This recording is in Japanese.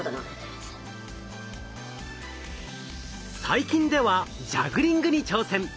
最近ではジャグリングに挑戦。